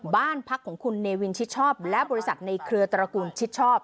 บ้านพักของคุณเนวินชิดชอบและบริษัทในเครือตระกูลชิดชอบ